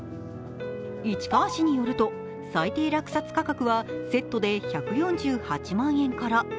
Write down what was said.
市川市によると最低落札価格はセットで１４８万円から。